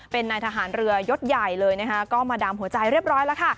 เป็นนายทหารเรือยศใหญ่เลยนะคะก็มาดามหัวใจเรียบร้อยแล้วค่ะ